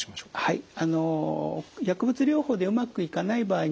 はい。